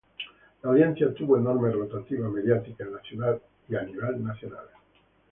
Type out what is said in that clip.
La audiencia tuvo enorme rotativa mediática en la ciudad y a nivel nacional.